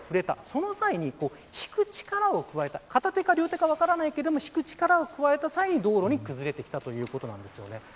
その際に、引く力を加えた片手か両手か分からないけど引く力を加えた際に道路に崩れてきたということです。